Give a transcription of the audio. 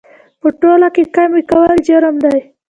په تول کې کمي کول جرم دی